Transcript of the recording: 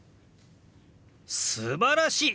すばらしい！